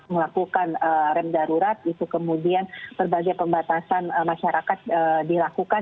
melakukan rem darurat itu kemudian berbagai pembatasan masyarakat dilakukan